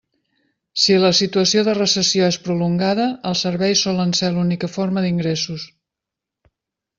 Si la situació de recessió és prolongada, els serveis solen ser l'única forma d'ingressos.